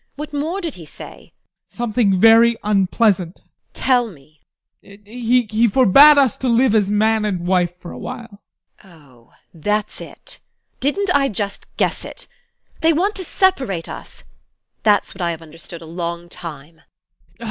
What more did he say? ADOLPH. Something very unpleasant. TEKLA. Tell me! ADOLPH. He forbade us to live as man and wife for a while. TEKLA. Oh, that's it! Didn't I just guess it! They want to separate us! That's what I have understood a long time!